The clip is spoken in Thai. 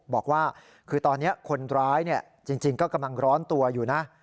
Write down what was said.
บอกว่าคือตอนนี้คนร้ายจริงก็กำลังร้อนตัวอยู่นะ